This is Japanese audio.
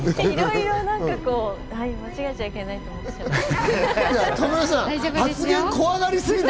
いろいろ間違えちゃいけないなと思いまして。